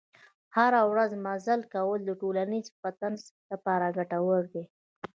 هره ورځ مزل کول د ټولیز فټنس لپاره ګټور دي.